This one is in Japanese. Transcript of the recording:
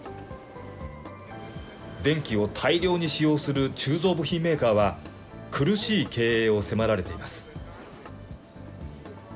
電気を大量に使用する鋳造部品メーカーは、苦しい経営を迫られています。